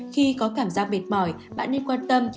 khi có cảm giác mệt mỏi bạn nên quan tâm